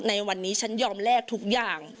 ในวันนี้ฉันยอมแลกทุกอย่าง